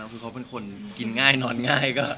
คือเขาเป็นคนกินง่ายนอนง่าย